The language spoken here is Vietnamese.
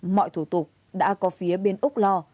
mọi thủ tục đã có phía bên úc lo